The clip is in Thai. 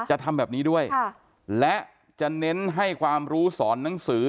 จะทำแบบนี้ด้วยและจะเน้นให้ความรู้สอนหนังสือ